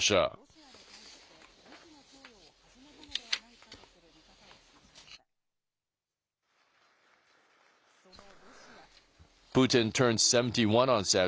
北朝鮮がロシアに対して、武器の供与を始めたのではないかとする見方を示しました。